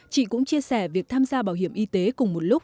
chị cũng chia sẻ việc tham gia bảo hiểm y tế cùng một lúc